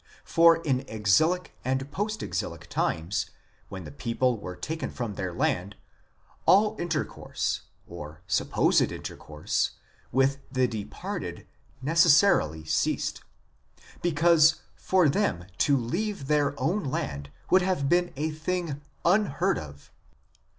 For in exilic and pqst exilic times, when the people were taken from their land, all intercourse (or supposed intercourse) with the departed necessarily ceased, because THE REPHAIM 71 for them to leave their own land would have been a thing unheard of.